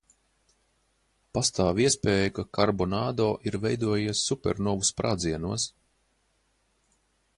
Pastāv iespēja, ka karbonādo ir veidojies supernovu sprādzienos.